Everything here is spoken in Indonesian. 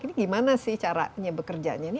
ini gimana sih caranya bekerjanya ini